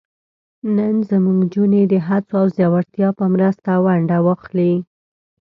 نن زموږ نجونې د هڅو او زړورتیا په مرسته ونډه واخلي.